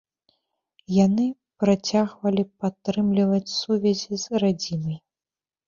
Яны працягвалі падтрымліваць сувязі з радзімай.